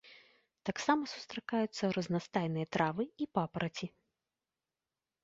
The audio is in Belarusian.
Таксама сустракаюцца разнастайныя травы і папараці.